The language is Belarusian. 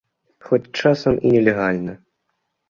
Хоць часам і нелегальна.